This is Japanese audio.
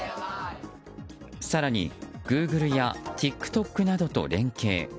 更に、グーグルやＴｉｋＴｏｋなどと連携。